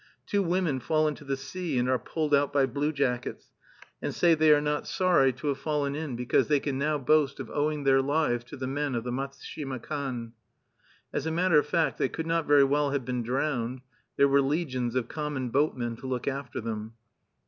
Two women fall into the sea, and are pulled out by blue jackets, and say they are not sorry to have fallen in, because they can now boast of owing their lives to the men of the Matsushima Kan! As a matter of fact, they could not very well have been drowned; there were legions of common boatmen to look after them.